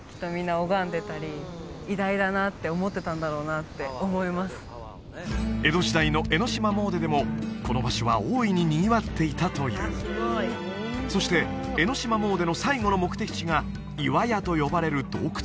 きっとでも結構江戸時代の江の島詣でもこの場所は大いににぎわっていたというそして江の島詣の最後の目的地が岩屋と呼ばれる洞窟